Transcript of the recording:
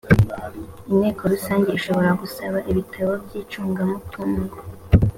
inteko rusange ishobora gusaba ibitabo by’icungamutungo